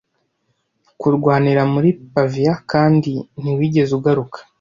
kurwanira muri pavia kandi ntiwigeze ugaruka